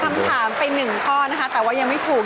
คำถามไปหนึ่งข้อนะคะแต่ว่ายังไม่ถูก